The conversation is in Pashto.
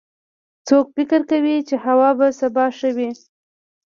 څوک فکر کوي چې هوا به سبا ښه وي